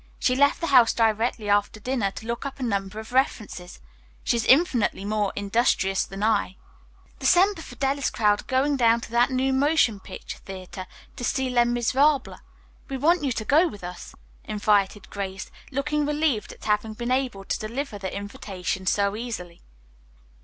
She left the house directly after dinner to look up a number of references. She is infinitely more industrious than I." "The Semper Fidelis crowd are going down to that new motion picture theatre to see 'Les Miserables.' We want you to go with us," invited Grace, looking relieved at having been able to deliver the invitation so easily.